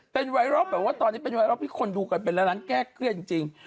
เป็นไวรักษณ์แบบว่าตอนนี้เป็นไวรักษณ์ที่คนดูกันเป็นระดับแก้เคลื่อนจริง